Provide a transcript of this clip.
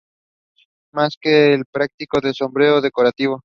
Más que práctico es un sombrero decorativo.